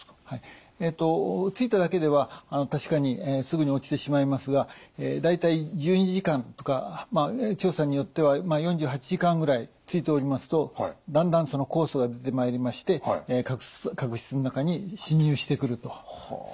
ついただけでは確かにすぐに落ちてしまいますが大体１２時間とか調査によっては４８時間ぐらいついておりますとだんだん酵素が出てまいりまして角質の中に侵入してくると。